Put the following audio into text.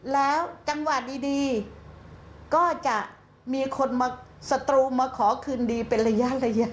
แล้วจังหวะดีก็จะมีคนมาสตรูมาขอคืนดีเป็นระยะ